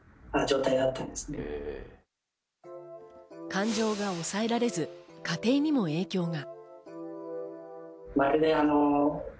感情が抑えられず、家庭にも影響が。